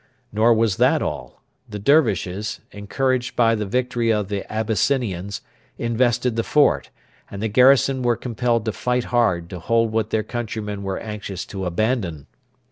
Nor was that all. The Dervishes, encouraged by the victory of the Abyssinians, invested the fort, and the garrison were compelled to fight hard to hold what their countrymen were anxious to abandon.